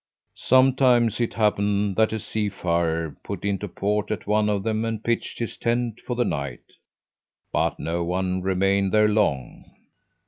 Sometimes it happened that a seafarer put into port at one of them and pitched his tent for the night; but no one remained there long.